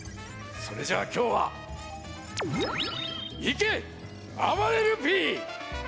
それじゃあきょうはいけあばれるＰ！